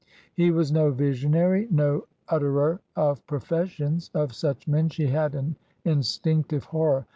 He was no visionary, no utterer of professions; of such men she had an in stinctive horror.